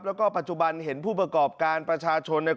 แล้วก็ปัจจุบันเห็นผู้ประกอบการประชาชนเนี่ย